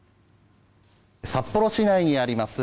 札幌市内にあります